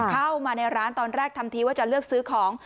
เข้ามาในร้านตอนแรกทำทีว่าจะเลือกซื้อของ